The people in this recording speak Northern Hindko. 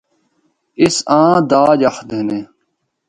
اس آں داج آخدے نے۔